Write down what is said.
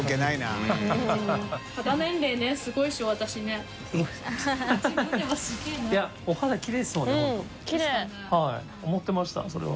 淵好織奪奸はい思ってましたそれは。